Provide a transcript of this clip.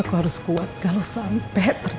aku harus kuat gak lo sampe ternyata lydia bisa berhenti